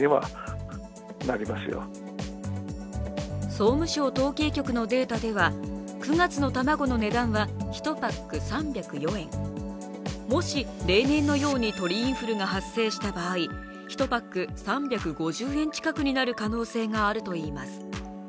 総務省統計局のデータでは、９月の卵の値段は１パック３０４円、もし例年のように鳥インフルが発生した場合、１パック３５０円近くになる可能性があるといいます。